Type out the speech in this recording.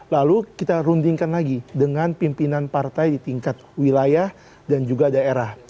lalu kita rundingkan lagi dengan pimpinan partai di tingkat wilayah dan juga daerah